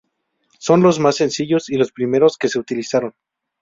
Son los más sencillos y los primeros que se utilizaron.